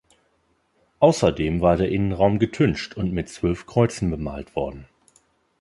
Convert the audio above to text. Außerdem war der Innenraum getüncht und mit zwölf Kreuzen bemalt worden.